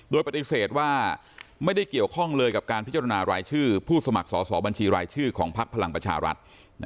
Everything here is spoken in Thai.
โดยปฏิเสธว่าไม่ได้เกี่ยวข้องเลยกับการพิจารณารายชื่อผู้สมัครสอบบัญชีรายชื่อของพักพลังประชารัฐ